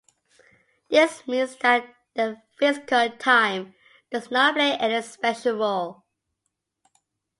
This means that the physical time does not play any special role.